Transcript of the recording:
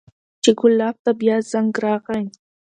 چې ګلاب ته بيا زنګ راغى.